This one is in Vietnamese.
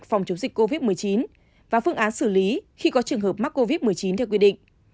phòng chống dịch covid một mươi chín và phương án xử lý khi có trường hợp mắc covid một mươi chín theo quy định